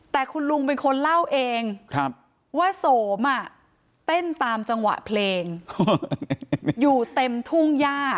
แต่คุณลุงเป็นคนเล่าเองว่าโสมเต้นตามจังหวะเพลงอยู่เต็มทุ่งย่า